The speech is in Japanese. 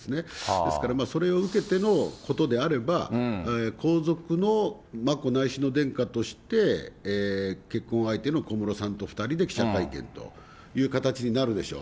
ですから、それを受けてのことであれば、皇族の眞子内親王殿下として、結婚相手の小室さんと２人で記者会見という形になるでしょう。